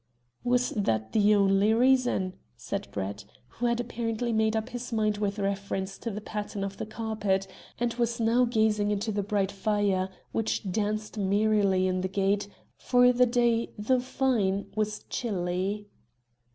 "Was that the only reason?" said Brett, who had apparently made up his mind with reference to the pattern of the carpet, and was now gazing into the bright fire which danced merrily in the grate, for the day though fine was chilly.